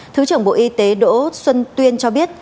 thứ trưởng bộ y tế đỗ xuân tuyên cho biết